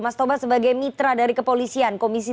mas toba sebagai mitra dari kepolisian komisi tiga